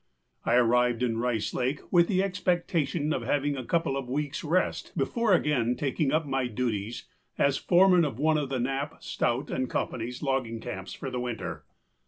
I arrived in Rice Lake with the expectation of having a couple of weeksâ rest before again taking up my duties as foreman of one of Knapp, Stout, and Companyâs logging camps for the winter.